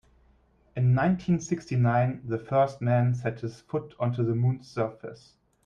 In nineteen-sixty-nine the first man set his foot onto the moon's surface.